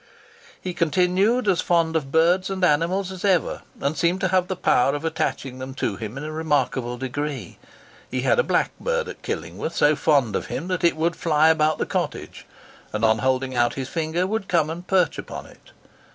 He continued as fond of birds and animals as ever, and seemed to have the power of attaching them to him in a remarkable degree. He had a blackbird at Killingworth so fond of him that it would fly about the cottage, and on holding out his finger, would come and perch upon it.